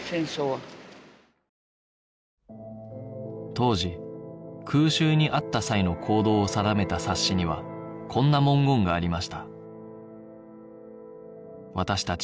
当時空襲に遭った際の行動を定めた冊子にはこんな文言がありました